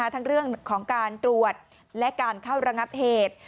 ทั้งเรื่องของการตรวจและการเข้าระงับเหตุ